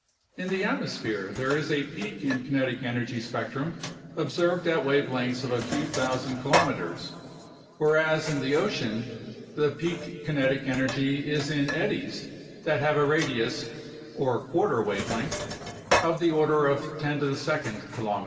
In the atmosphere there is a peak in the kinetic energy spectrum observed at wavelengths of a few thousand kilometers, whereas in the ocean the peak kinetic energy is in eddies that have a radius (or quarter wavelength) of the order of 10 2 km.